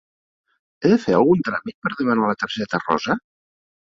He de fer algun tràmit per demanar la targeta rosa?